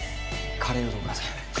カレーうどんください。